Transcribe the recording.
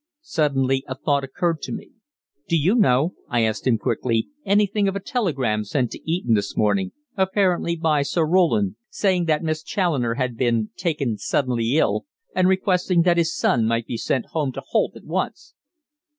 Suddenly a thought occurred to me. "Do you know," I asked him quickly, "anything of a telegram sent to Eton this morning, apparently by Sir Roland, saying that Miss Challoner had been taken suddenly ill, and requesting that his son might be sent home to Holt at once?"